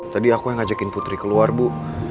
tadi aku yang ngajakin putri keluar bu